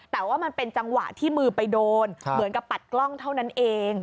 แต่ว่ามันเป็นจังหวะที่มือไปโดนเหมือนกับปัดกล้องเท่านั้นเอง